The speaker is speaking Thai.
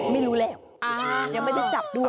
ไม่รู้แล้วยังไม่ได้จับด้วย